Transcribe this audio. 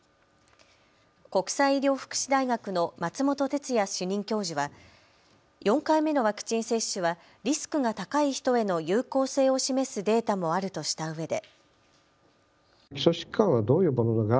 国際医療福祉大学の松本哲哉主任教授は４回目のワクチン接種はリスクが高い人への有効性を示すデータもあるとしたうえで。